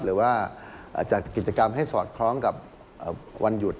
หรือว่าจัดกิจกรรมให้สอดคล้องกับวันหยุด